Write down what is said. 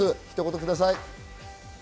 ひと言ください。